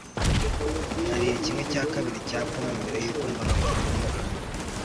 nariye kimwe cya kabiri cya pome mbere yuko mbona ko harimo inyo